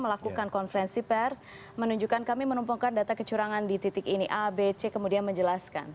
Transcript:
melakukan konferensi pers menunjukkan kami menumpukan data kecurangan di titik ini a b c kemudian menjelaskan